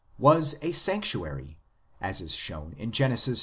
was a sanctuary, as is shown in Gen. xiii.